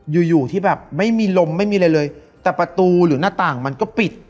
อยู่อยู่ที่แบบไม่มีลมไม่มีอะไรเลยแต่ประตูหรือหน้าต่างมันก็ปิด